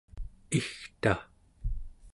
igta